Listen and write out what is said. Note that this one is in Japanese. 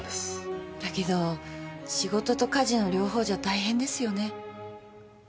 だけど仕事と家事の両方じゃ大変ですよね。